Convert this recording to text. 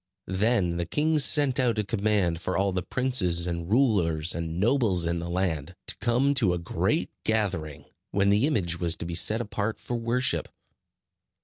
Then the king sent out a command for all the princes, and rulers, and nobles in the land, to come to a great gathering, when the image was to be set apart for worship.